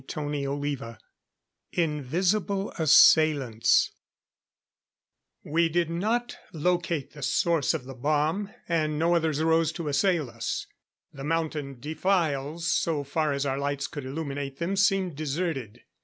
CHAPTER XXXIV Invisible Assailants We did not locate the source of the bomb, and no others rose to assail us. The mountain defiles, so far as our lights could illuminate them, seemed deserted.